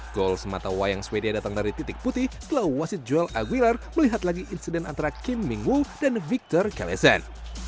gol semata wayang sweden datang dari titik putih setelah wasid joel aguilar melihat lagi insiden antara kim ming woo dan victor kalesen